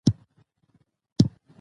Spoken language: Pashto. اداري فساد اعتماد له منځه وړي